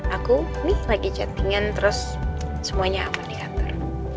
aku nih lagi chattingan terus semuanya aman di kantor